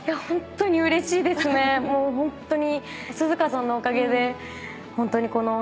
もうホントに。